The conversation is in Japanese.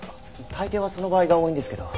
大抵はその場合が多いんですけど。